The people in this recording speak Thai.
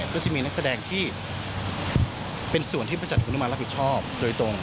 ก็จะมีนักแสดงที่เป็นส่วนที่บริษัทคุณนุมานรับผิดชอบโดยตรง